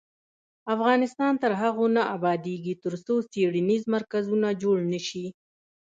افغانستان تر هغو نه ابادیږي، ترڅو څیړنیز مرکزونه جوړ نشي.